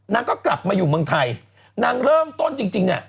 นางก็กลับมาอยู่เมืองไทยนางเริ่มต้นจริงเนี่ย